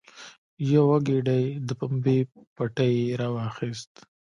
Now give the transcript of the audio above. یوه ګېډۍ د پمبې پټی یې راواخیست.